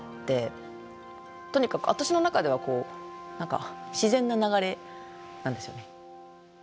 とにかく私の中では何か自然な流れなんですよね。